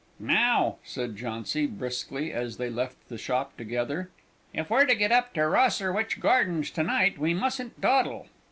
"Now," said Jauncy, briskly, as they left the shop together, "if we're to get up to Rosherwich Gardens to night, we mustn't dawdle."